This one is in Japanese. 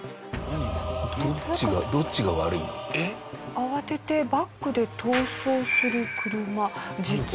慌ててバックで逃走する車。